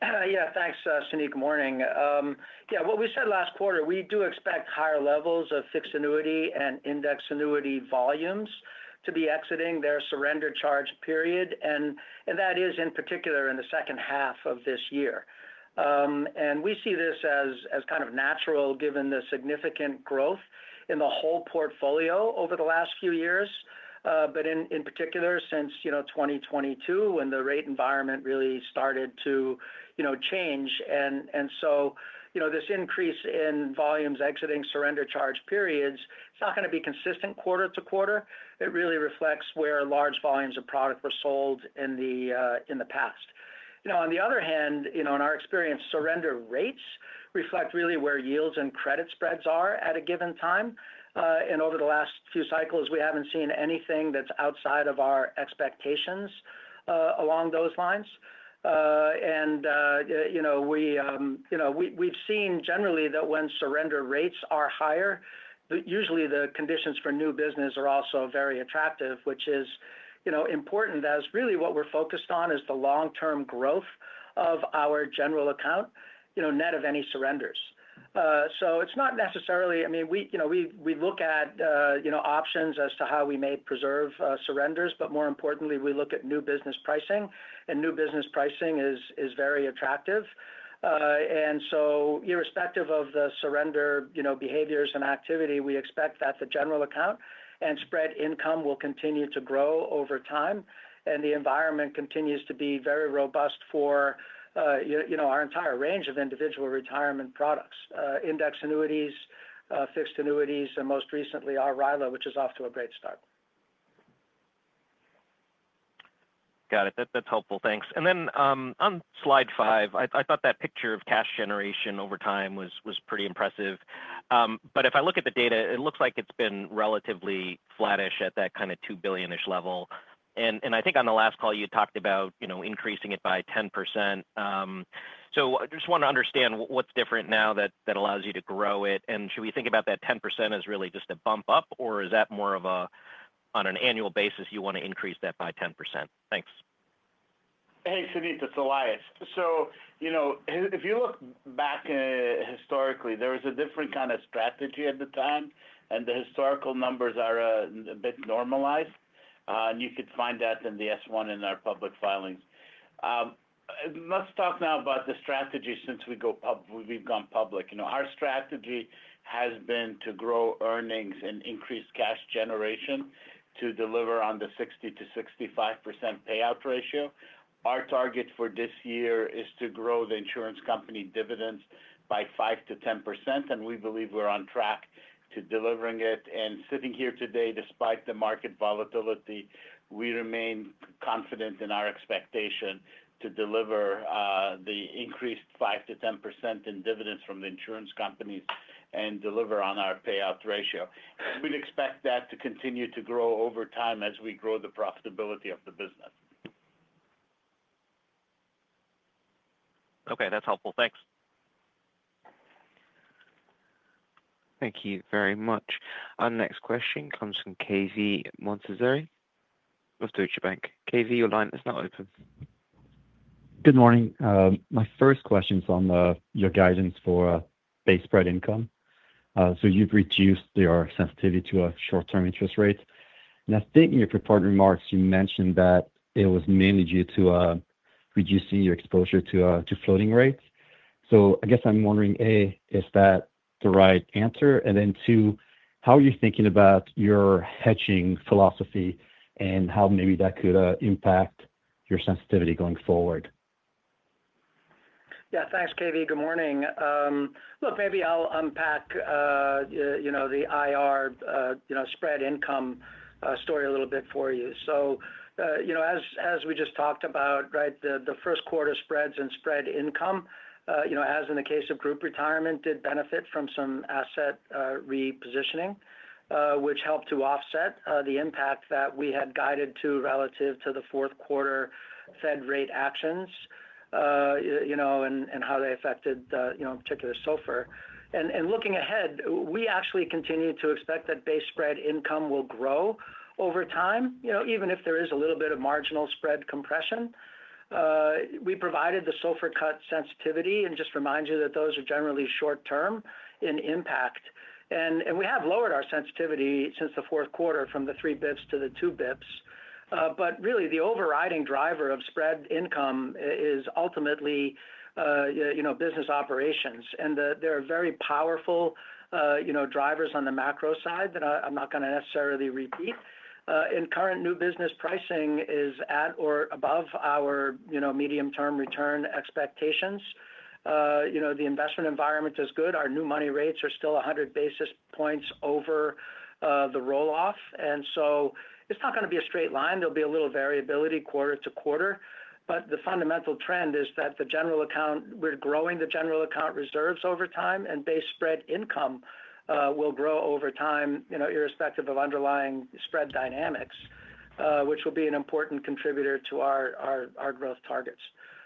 Yeah. Thanks, Suneet. Good morning. Yeah. What we said last quarter, we do expect higher levels of fixed annuity and index annuity volumes to be exiting their surrender charge period. That is in particular in the second half of this year. We see this as kind of natural given the significant growth in the whole portfolio over the last few years, but in particular since 2022 when the rate environment really started to change. This increase in volumes exiting surrender charge periods is not going to be consistent quarter to quarter. It really reflects where large volumes of product were sold in the past. On the other hand, in our experience, surrender rates reflect really where yields and credit spreads are at a given time. Over the last few cycles, we haven't seen anything that's outside of our expectations along those lines. We've seen generally that when surrender rates are higher, usually the conditions for new business are also very attractive, which is important as really what we're focused on is the long-term growth of our general account net of any surrenders. It's not necessarily, I mean, we look at options as to how we may preserve surrenders. More importantly, we look at new business pricing. New business pricing is very attractive. Irrespective of the surrender behaviors and activity, we expect that the general account and spread income will continue to grow over time. The environment continues to be very robust for our entire range of individual retirement products, index annuities, fixed annuities, and most recently our RILA, which is off to a great start. Got it. That's helpful. Thanks. Then on slide 5, I thought that picture of cash generation over time was pretty impressive. If I look at the data, it looks like it's been relatively flattish at that kind of $2 billion-ish level. I think on the last call, you talked about increasing it by 10%. I just want to understand what's different now that allows you to grow it. Should we think about that 10% as really just a bump up, or is that more of a on an annual basis, you want to increase that by 10%? Thanks. Hey, Suneet. It's Elias. If you look back historically, there was a different kind of strategy at the time. The historical numbers are a bit normalized. You could find that in the S1 in our public filings. Let's talk now about the strategy since we've gone public. Our strategy has been to grow earnings and increase cash generation to deliver on the 60%-65% payout ratio. Our target for this year is to grow the insurance company dividends by 5%-10%. We believe we're on track to delivering it. Sitting here today, despite the market volatility, we remain confident in our expectation to deliver the increased 5%-10% in dividends from the insurance companies and deliver on our payout ratio. We'd expect that to continue to grow over time as we grow the profitability of the business. Okay. That's helpful. Thanks. Thank you very much. Our next question comes from Cave Montazeri of Deutsche Bank. Cave, your line is now open. Good morning. My first question is on your guidance for base spread income. You have reduced your sensitivity to a short-term interest rate. I think in your prepared remarks, you mentioned that it was mainly due to reducing your exposure to floating rates. I guess I am wondering, A, is that the right answer? Then two, how are you thinking about your hedging philosophy and how maybe that could impact your sensitivity going forward? Yeah. Thanks, Cave. Good morning. Look, maybe I will unpack the IR spread income story a little bit for you. As we just talked about, the first quarter spreads and spread income, as in the case of group retirement, did benefit from some asset repositioning, which helped to offset the impact that we had guided to relative to the fourth quarter Fed rate actions and how they affected particular SOFR. Looking ahead, we actually continue to expect that base spread income will grow over time, even if there is a little bit of marginal spread compression. We provided the SOFR cut sensitivity. Just remind you that those are generally short-term in impact. We have lowered our sensitivity since the fourth quarter from three basis points to two basis points. Really, the overriding driver of spread income is ultimately business operations. There are very powerful drivers on the macro side that I'm not going to necessarily repeat. Current new business pricing is at or above our medium-term return expectations. The investment environment is good. Our new money rates are still 100 basis points over the rolloff. It is not going to be a straight line. There will be a little variability quarter to quarter. The fundamental trend is that the general account, we're growing the general account reserves over time. Base spread income will grow over time irrespective of underlying spread dynamics, which will be an important contributor to our growth targets.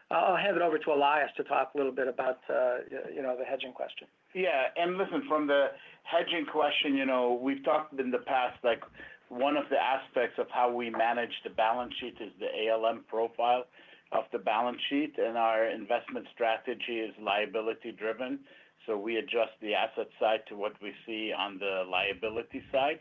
I'll hand it over to Elias to talk a little bit about the hedging question. Yeah. Listen, from the hedging question, we've talked in the past, one of the aspects of how we manage the balance sheet is the ALM profile of the balance sheet. Our investment strategy is liability-driven. We adjust the asset side to what we see on the liability side.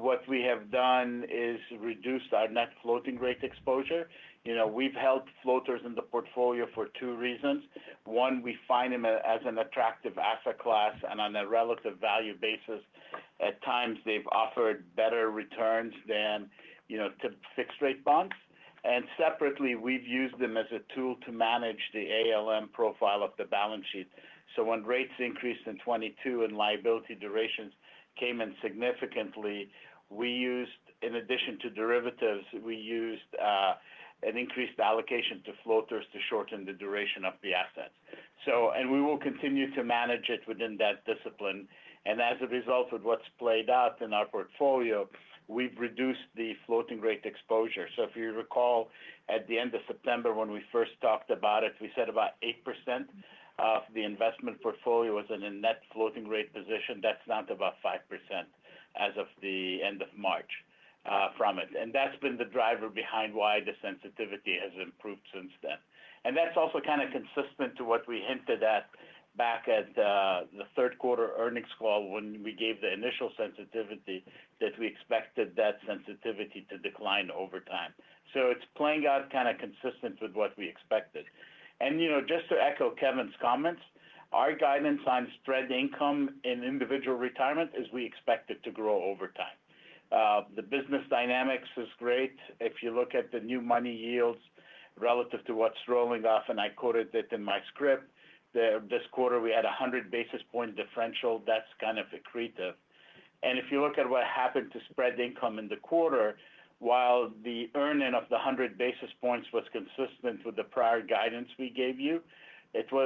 What we have done is reduce our net floating rate exposure. We've held floaters in the portfolio for two reasons. One, we find them as an attractive asset class. On a relative value basis, at times, they've offered better returns than fixed-rate bonds. Separately, we've used them as a tool to manage the ALM profile of the balance sheet. When rates increased in 2022 and liability durations came in significantly, in addition to derivatives, we used an increased allocation to floaters to shorten the duration of the assets. We will continue to manage it within that discipline. As a result of what's played out in our portfolio, we've reduced the floating rate exposure. If you recall, at the end of September, when we first talked about it, we said about 8% of the investment portfolio was in a net floating rate position. That's down to about 5% as of the end of March. That's been the driver behind why the sensitivity has improved since then. That is also kind of consistent to what we hinted at back at the third quarter earnings call when we gave the initial sensitivity that we expected that sensitivity to decline over time. It is playing out kind of consistent with what we expected. Just to echo Kevin's comments, our guidance on spread income in individual retirement is we expect it to grow over time. The business dynamics is great. If you look at the new money yields relative to what is rolling off, and I quoted it in my script, this quarter, we had a 100 basis point differential. That is kind of accretive. If you look at what happened to spread income in the quarter, while the earning of the 100 basis points was consistent with the prior guidance we gave you,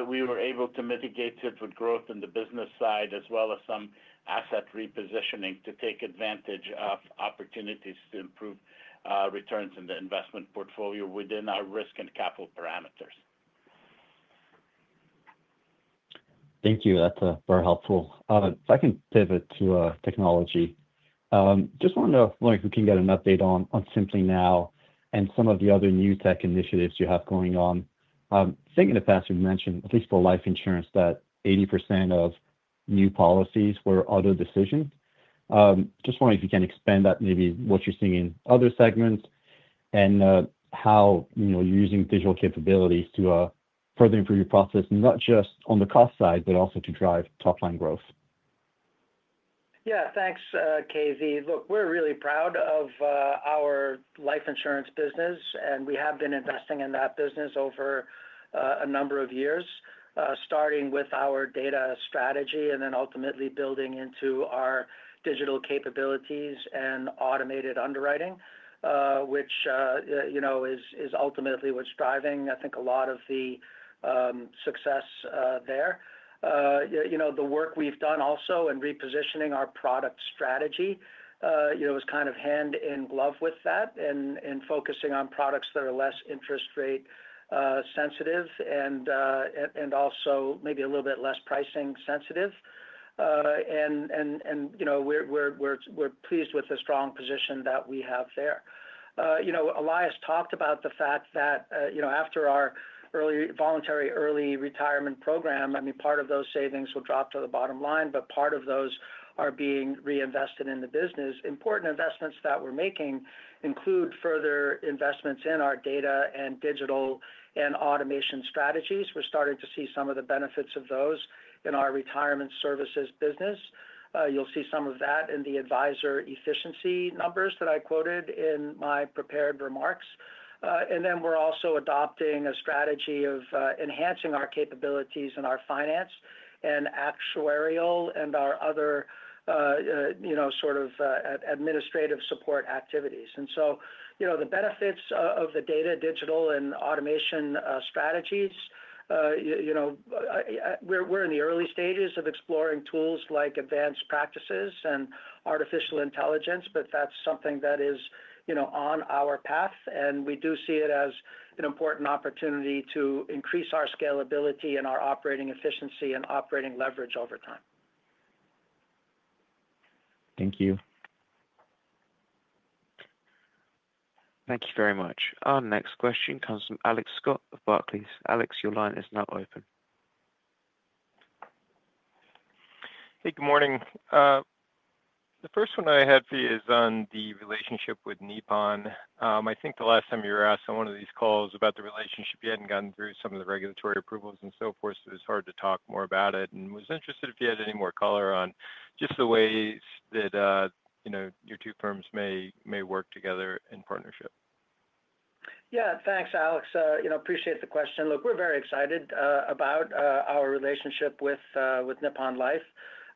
we were able to mitigate it with growth in the business side as well as some asset repositioning to take advantage of opportunities to improve returns in the investment portfolio within our risk and capital parameters. Thank you. That is very helpful. If I can pivot to technology, just want to know if we can get an update on SimpliNow and some of the other new tech initiatives you have going on. I think in the past, you mentioned, at least for life insurance, that 80% of new policies were other decisions. Just wondering if you can expand that, maybe what you're seeing in other segments and how you're using digital capabilities to further improve your process, not just on the cost side, but also to drive top-line growth. Yeah. Thanks, Cave. Look, we're really proud of our life insurance business. And we have been investing in that business over a number of years, starting with our data strategy and then ultimately building into our digital capabilities and automated underwriting, which is ultimately what's driving, I think, a lot of the success there. The work we've done also in repositioning our product strategy was kind of hand in glove with that and focusing on products that are less interest rate sensitive and also maybe a little bit less pricing sensitive. We're pleased with the strong position that we have there. Elias talked about the fact that after our voluntary early retirement program, I mean, part of those savings will drop to the bottom line, but part of those are being reinvested in the business. Important investments that we're making include further investments in our data and digital and automation strategies. We're starting to see some of the benefits of those in our retirement services business. You'll see some of that in the advisor efficiency numbers that I quoted in my prepared remarks. We are also adopting a strategy of enhancing our capabilities in our finance and actuarial and our other sort of administrative support activities. The benefits of the data digital and automation strategies, we're in the early stages of exploring tools like advanced practices and artificial intelligence, but that's something that is on our path. We do see it as an important opportunity to increase our scalability and our operating efficiency and operating leverage over time. Thank you. Thank you very much. Our next question comes from Alex Scott of Barclays. Alex, your line is now open. Hey, good morning. The first one I had for you is on the relationship with Nippon. I think the last time you were asked on one of these calls about the relationship, you had not gotten through some of the regulatory approvals and so forth, so it was hard to talk more about it. I was interested if you had any more color on just the ways that your two firms may work together in partnership. Yeah. Thanks, Alex. Appreciate the question. Look, we are very excited about our relationship with Nippon Life.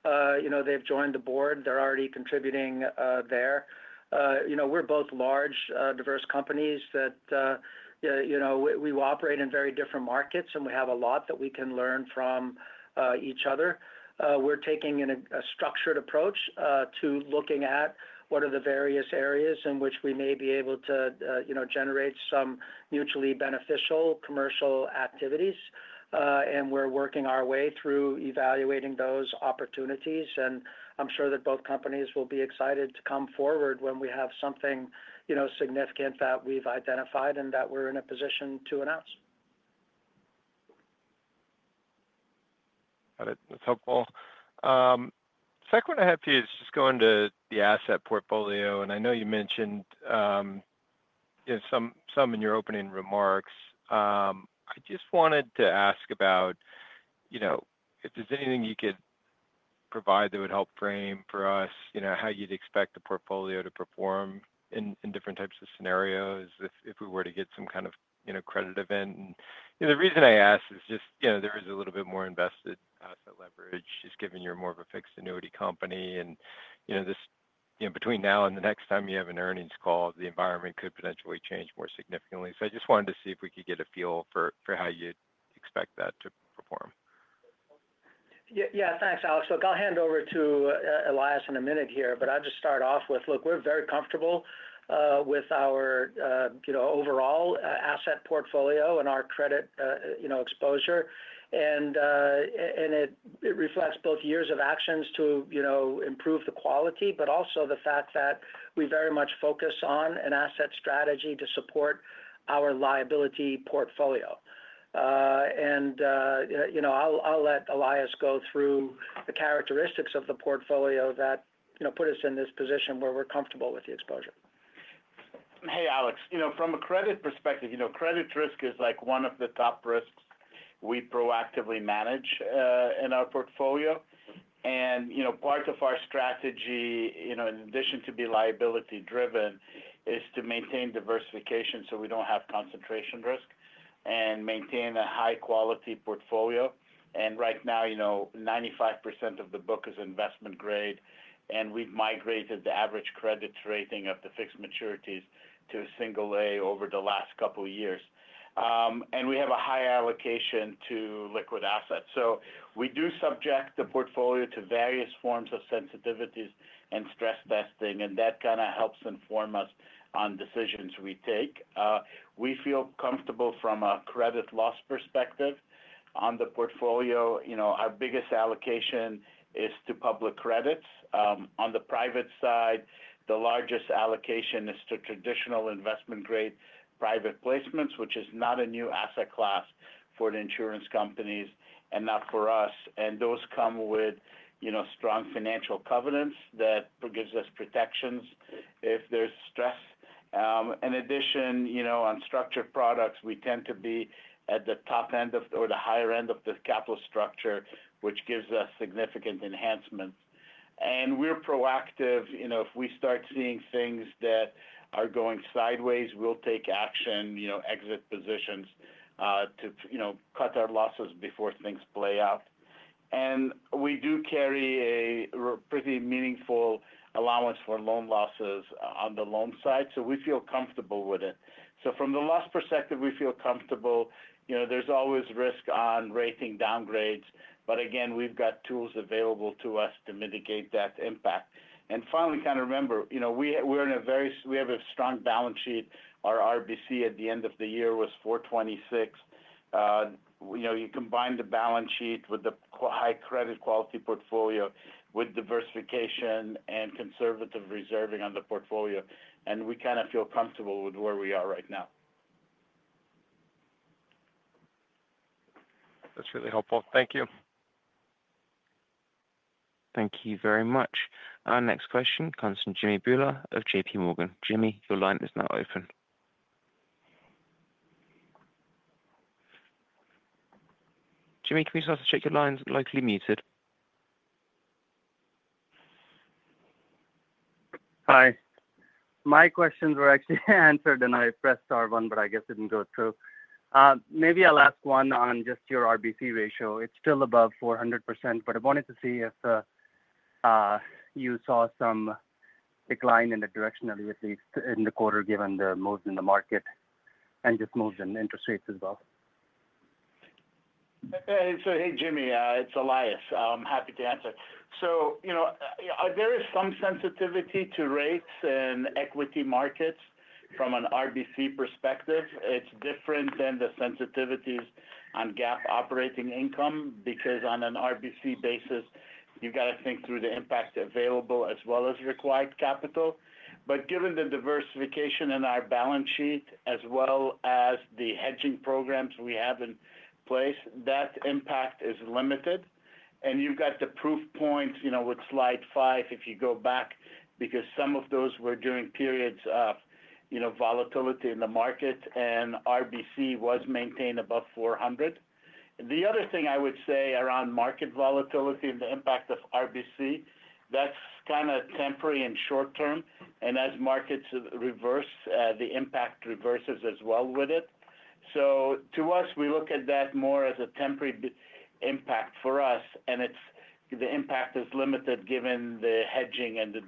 They have joined the board. They are already contributing there. We're both large, diverse companies that we operate in very different markets, and we have a lot that we can learn from each other. We're taking a structured approach to looking at what are the various areas in which we may be able to generate some mutually beneficial commercial activities. We're working our way through evaluating those opportunities. I'm sure that both companies will be excited to come forward when we have something significant that we've identified and that we're in a position to announce. Got it. That's helpful. The second one I have for you is just going to the asset portfolio. I know you mentioned some in your opening remarks. I just wanted to ask about if there's anything you could provide that would help frame for us how you'd expect the portfolio to perform in different types of scenarios if we were to get some kind of credit event. The reason I ask is just there is a little bit more invested asset leverage just given you're more of a fixed annuity company. Between now and the next time you have an earnings call, the environment could potentially change more significantly. I just wanted to see if we could get a feel for how you'd expect that to perform. Yeah. Thanks, Alex. Look, I'll hand over to Elias in a minute here. I'll just start off with, look, we're very comfortable with our overall asset portfolio and our credit exposure. It reflects both years of actions to improve the quality, but also the fact that we very much focus on an asset strategy to support our liability portfolio. I'll let Elias go through the characteristics of the portfolio that put us in this position where we're comfortable with the exposure. Hey, Alex. From a credit perspective, credit risk is one of the top risks we proactively manage in our portfolio. Part of our strategy, in addition to being liability-driven, is to maintain diversification so we do not have concentration risk and maintain a high-quality portfolio. Right now, 95% of the book is investment grade. We have migrated the average credit rating of the fixed maturities to a single A over the last couple of years. We have a high allocation to liquid assets. We do subject the portfolio to various forms of sensitivities and stress testing. That kind of helps inform us on decisions we take. We feel comfortable from a credit loss perspective on the portfolio. Our biggest allocation is to public credits. On the private side, the largest allocation is to traditional investment-grade private placements, which is not a new asset class for insurance companies and not for us. Those come with strong financial covenants that give us protections if there is stress. In addition, on structured products, we tend to be at the top end or the higher end of the capital structure, which gives us significant enhancements. We are proactive. If we start seeing things that are going sideways, we will take action, exit positions to cut our losses before things play out. We do carry a pretty meaningful allowance for loan losses on the loan side. We feel comfortable with it. From the loss perspective, we feel comfortable. There's always risk on rating downgrades. Again, we've got tools available to us to mitigate that impact. Finally, remember, we have a strong balance sheet. Our RBC at the end of the year was 426. You combine the balance sheet with the high credit quality portfolio with diversification and conservative reserving on the portfolio. We feel comfortable with where we are right now. That's really helpful. Thank you. Thank you very much. Our next question comes from Jimmy Bhullar of JPMorgan. Jimmy, your line is now open. Jimmy, can we start to check your lines? Locally muted. Hi. My questions were actually answered, and I pressed our one, but I guess it did not go through. Maybe I'll ask one on just your RBC ratio. It's still above 400%, but I wanted to see if you saw some decline in the directionality at least in the quarter given the moves in the market and just moves in interest rates as well. Hey, Jimmy, it's Elias. I'm happy to answer. There is some sensitivity to rates in equity markets from an RBC perspective. It's different than the sensitivities on GAAP operating income because on an RBC basis, you've got to think through the impact available as well as required capital. Given the diversification in our balance sheet as well as the hedging programs we have in place, that impact is limited. You've got the proof points with slide five if you go back because some of those were during periods of volatility in the market, and RBC was maintained above 400%. The other thing I would say around market volatility and the impact of RBC, that's kind of temporary and short-term. As markets reverse, the impact reverses as well with it. To us, we look at that more as a temporary impact for us. The impact is limited given the hedging and the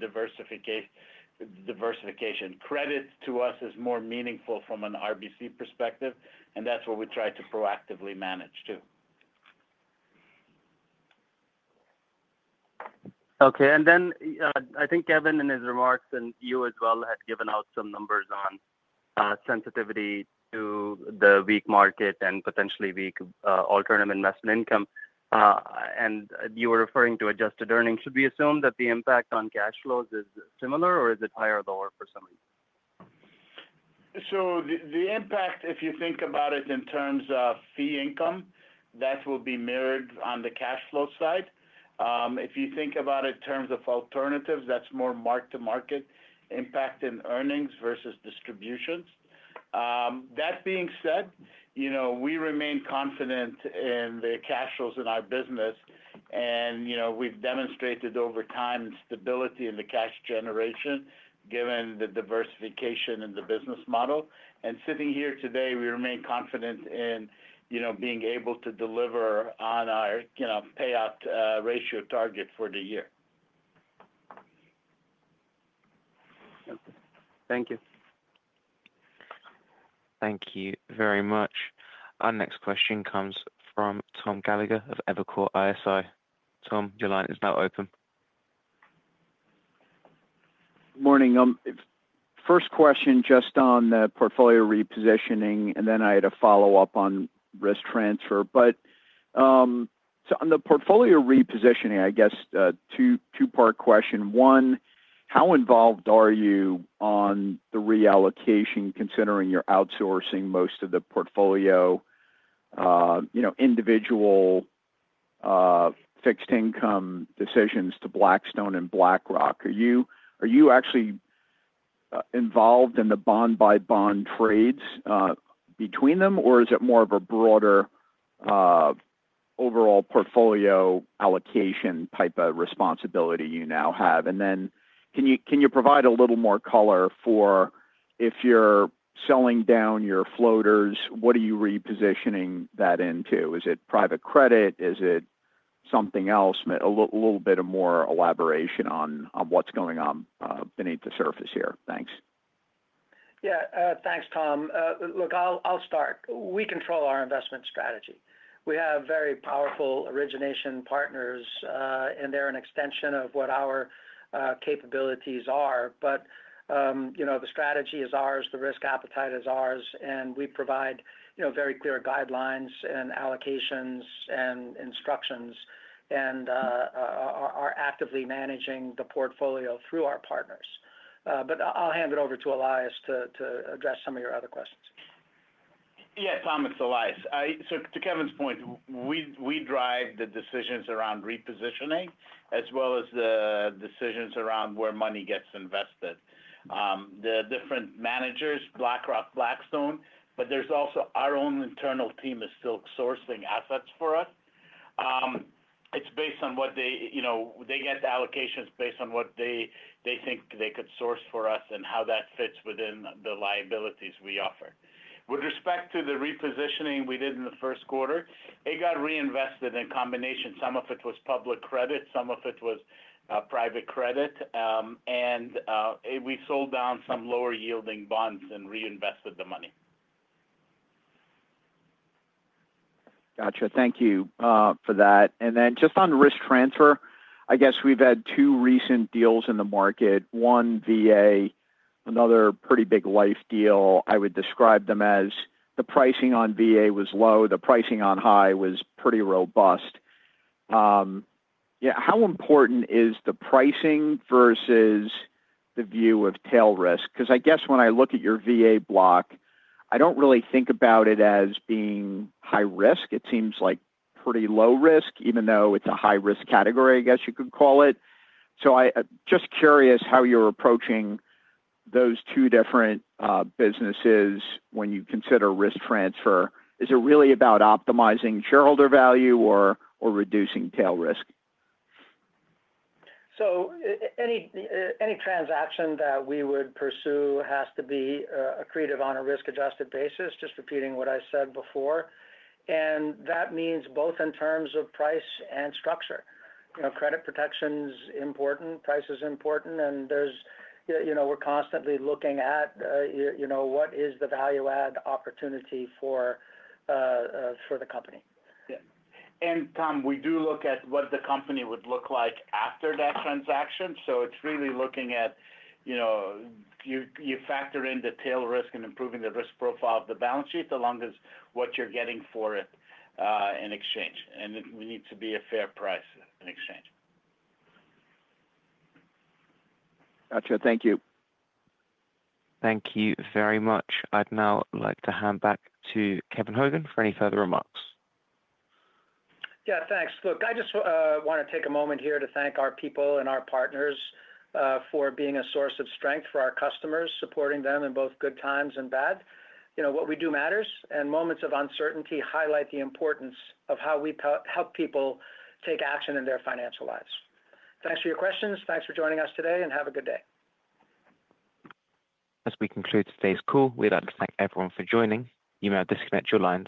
diversification. Credit to us is more meaningful from an RBC perspective, and that's what we try to proactively manage too. Okay. I think Kevin in his remarks and you as well had given out some numbers on sensitivity to the weak market and potentially weak alternative investment income. You were referring to adjusted earnings. Should we assume that the impact on cash flows is similar, or is it higher or lower for some reason? The impact, if you think about it in terms of fee income, that will be mirrored on the cash flow side. If you think about it in terms of alternatives, that's more mark-to-market impact in earnings versus distributions. That being said, we remain confident in the cash flows in our business. We have demonstrated over time stability in the cash generation given the diversification in the business model. Sitting here today, we remain confident in being able to deliver on our payout ratio target for the year. Thank you. Thank you very much. Our next question comes from Tom Gallagher of Evercore ISI. Tom, your line is now open. Morning. First question just on the portfolio repositioning, and then I had a follow-up on risk transfer. On the portfolio repositioning, I guess, two-part question. One, how involved are you on the reallocation considering you're outsourcing most of the portfolio individual fixed income decisions to Blackstone and BlackRock? Are you actually involved in the bond-by-bond trades between them, or is it more of a broader overall portfolio allocation type of responsibility you now have? Can you provide a little more color for if you're selling down your floaters, what are you repositioning that into? Is it private credit? Is it something else? A little bit of more elaboration on what's going on beneath the surface here. Thanks. Yeah. Thanks, Tom. Look, I'll start. We control our investment strategy. We have very powerful origination partners, and they're an extension of what our capabilities are. The strategy is ours. The risk appetite is ours. We provide very clear guidelines and allocations and instructions and are actively managing the portfolio through our partners. I'll hand it over to Elias to address some of your other questions. Yeah, Tom, it's Elias. To Kevin's point, we drive the decisions around repositioning as well as the decisions around where money gets invested. The different managers, BlackRock, Blackstone, but there's also our own internal team is still sourcing assets for us. It's based on what they get allocations based on what they think they could source for us and how that fits within the liabilities we offer. With respect to the repositioning we did in the first quarter, it got reinvested in combination. Some of it was public credit. Some of it was private credit. We sold down some lower-yielding bonds and reinvested the money. Gotcha. Thank you for that. Just on risk transfer, I guess we've had two recent deals in the market. One VA, another pretty big life deal. I would describe them as the pricing on VA was low. The pricing on high was pretty robust. Yeah. How important is the pricing versus the view of tail risk? Because I guess when I look at your VA block, I do not really think about it as being high risk. It seems like pretty low risk, even though it is a high-risk category, I guess you could call it. I am just curious how you are approaching those two different businesses when you consider risk transfer. Is it really about optimizing shareholder value or reducing tail risk? Any transaction that we would pursue has to be accretive on a risk-adjusted basis, just repeating what I said before. That means both in terms of price and structure. Credit protection is important. Price is important. We are constantly looking at what is the value-add opportunity for the company. Yeah. Tom, we do look at what the company would look like after that transaction. It is really looking at you factor in the tail risk and improving the risk profile of the balance sheet along with what you are getting for it in exchange. It needs to be a fair price in exchange. Gotcha. Thank you. Thank you very much. I would now like to hand back to Kevin Hogan for any further remarks. Yeah. Thanks. Look, I just want to take a moment here to thank our people and our partners for being a source of strength for our customers, supporting them in both good times and bad. What we do matters. Moments of uncertainty highlight the importance of how we help people take action in their financial lives. Thanks for your questions. Thanks for joining us today, and have a good day. As we conclude today's call, we'd like to thank everyone for joining. You may disconnect your lines.